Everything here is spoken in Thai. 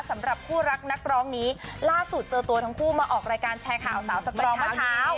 สำหรับคู่รักนักร้องนี้ล่าสุดเจอตัวทั้งคู่มาออกรายการแชร์ข่าวสาวสตรองเมื่อเช้า